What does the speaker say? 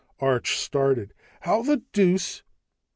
Arch started. "How the deuce